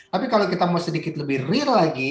tapi kalau kita mau sedikit lebih real lagi